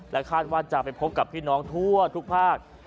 คาดว่าจะไปพบกับพี่น้องทั่วทุกภาค